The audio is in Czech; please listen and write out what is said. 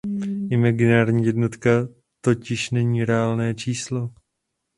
Imaginární jednotka totiž není reálné číslo.